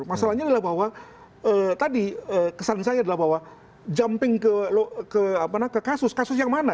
masalahnya adalah bahwa tadi kesan saya adalah bahwa jumping ke kasus kasus yang mana